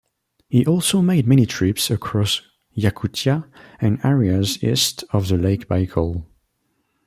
He also made many trips across Yakutia and areas east of the Lake Baikal.